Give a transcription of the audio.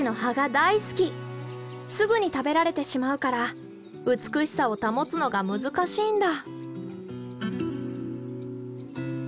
すぐに食べられてしまうから美しさを保つのが難しいんだ。